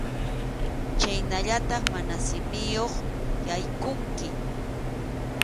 Chhaynallataq mana simiyuq yaykunki.